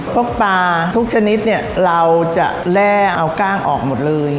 พวกปลาทุกชนิดเราจะแล่เอาก้างออกหมดเลย